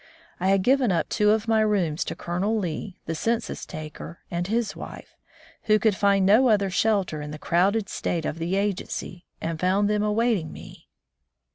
I had given up two of my rooms to Colonel Lee, the census taker, and his wife, who could find no other shelter in the crowded state of the agency, and found them await ing me.